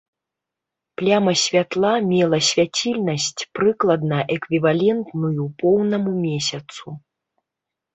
Пляма святла мела свяцільнасць, прыкладна эквівалентную поўнаму месяцу.